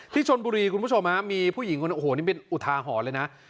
ที่ชนบุรีคุณผู้ชมฮะมีผู้หญิงคนโอ้โหนี่เป็นอุทาหรณ์เลยนะ